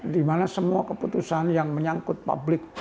di mana semua keputusan yang menyangkut publik